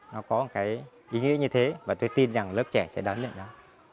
nó có một cái ý nghĩa như thế và tôi tin rằng lớp trẻ sẽ đón lên đó